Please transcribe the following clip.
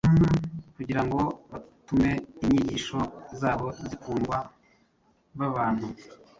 kugira ngo batume inyigisho zabo zikundwa b’abantu.